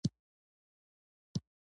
د موټرو سرعت د شرایطو سره سم وساتئ.